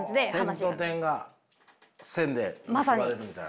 点と点が線で結ばれるみたいな。